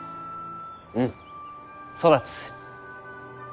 うん育つ。